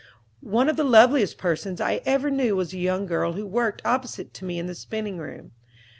One of the loveliest persons I ever knew was a young girl who worked opposite to me in the spinning room.